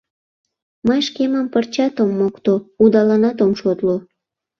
Мый шкемым пырчат ом мокто, удаланат ом шотло.